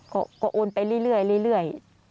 ก็โอนไปเรื่อย